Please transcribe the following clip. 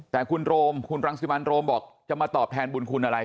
แต่คุณโรมคุณรังสิมันโรมบอกจะมาตอบแทนบุญคุณอะไร